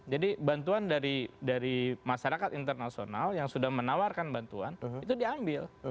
jadi bantuan dari masyarakat internasional yang sudah menawarkan bantuan itu diambil